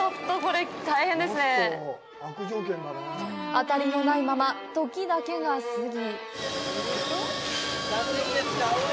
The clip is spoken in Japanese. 当たりのないまま時だけが過ぎ。